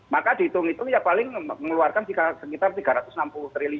maka dihitung itu paling mengeluarkan sekitar rp tiga ratus enam puluh